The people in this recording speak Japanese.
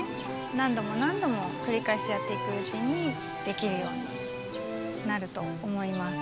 なんどもなんどもくりかえしやっていくうちにできるようになると思います。